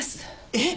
えっ？